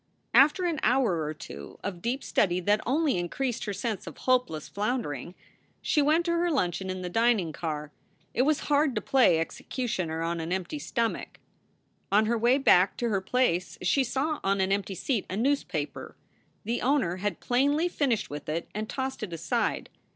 After an hour or two of deep study that only increased her sense of hopeless floundering, she went to her luncheon in the dining car. It was hard to play executioner on an empty stomach. On her way back to her place she saw on an empty seat a newspaper. The owner had plainly finished with it and tossed it aside.